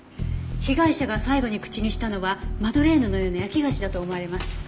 被害者が最後に口にしたのはマドレーヌのような焼き菓子だと思われます。